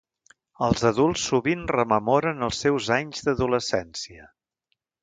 Els adults sovint rememoren els seus anys d'adolescència.